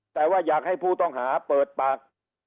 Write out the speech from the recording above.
แต่ว่าอยากให้ผู้ต้องหาเปิดปาก